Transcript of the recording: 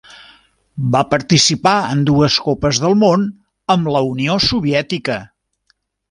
Va participar en dues Copes del Món amb la Unió Soviètica.